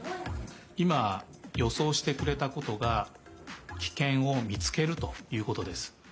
いまよそうしてくれたことがキケンをみつけるということです。